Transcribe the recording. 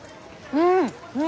うん！